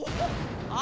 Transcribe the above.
あ！